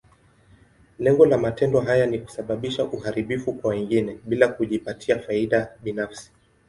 Lengo la matendo haya ni kusababisha uharibifu kwa wengine, bila kujipatia faida binafsi.